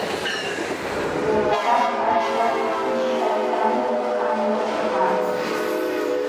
Wawakaq achka qishatam qanlachapaakun.